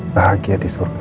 bahagia di surga